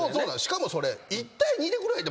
しかもそれ。